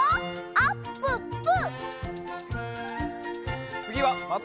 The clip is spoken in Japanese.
あっぷっぷ！